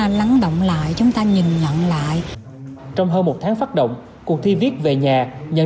phát động lại chúng ta nhìn nhận lại trong hơn một tháng phát động cuộc thi viết về nhà nhận